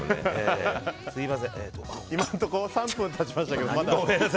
今のところ３分経ちましたけど。